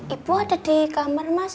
ibu ada di kamar mas